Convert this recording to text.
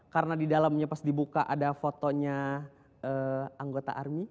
karena di dalamnya pas dibuka ada fotonya anggota army